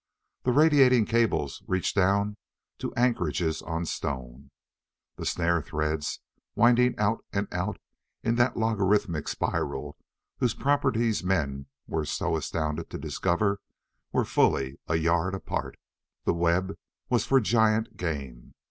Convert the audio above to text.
The radiating cables reached down to anchorages on stone. The snare threads, winding out and out in that logarithmic spiral whose properties men were so astonished to discover, were fully a yard apart. The web was for giant game.